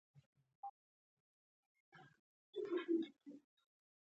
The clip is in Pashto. افغانستان کې هم طالبان